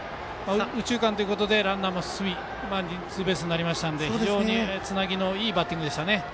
右中間ということでランナーもツーベースになりましたので非常につなぎのいいバッティングでしたね。